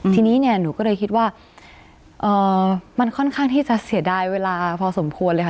ทีนี้เนี่ยหนูก็เลยคิดว่ามันค่อนข้างที่จะเสียดายเวลาพอสมควรเลยค่ะ